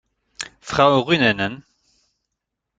Frau Ryynänen!